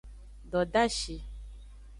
Dodashi.